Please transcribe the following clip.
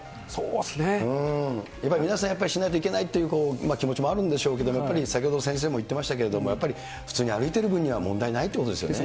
やっぱり皆さん、しないといけないっていう気持ちもあるんでしょうけれども、やっぱり先ほど先生も言ってましたけど、やっぱり普通に歩いてる分には、問題ないということですよね。